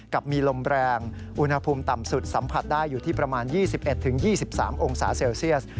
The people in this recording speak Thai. กับมีลมแรงอุณหภูมิต่ำสุดสัมผัสได้อยู่ที่ประมาณ๒๑๒๓องศาเซลเซียส